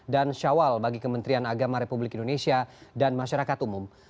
dan syawal bagi kementerian agama republik indonesia dan masyarakat umum